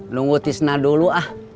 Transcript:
nunggu tisna dulu ah